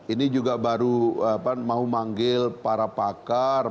ini juga baru mau manggil para pakar